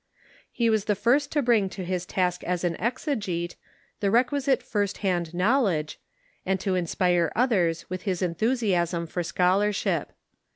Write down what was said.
He was the first to bring to his task as an exegete the requisite first hand knowledge, and to inspire others with his enthusiasm for scholarship.